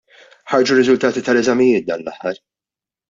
Ħarġu r-riżultati tal-eżamijiet dan l-aħħar.